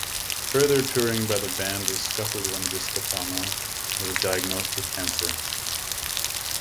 Further touring by the band was scuttled when DiStefano was diagnosed with cancer.